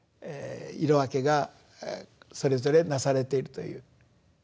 色分けがそれぞれなされているという。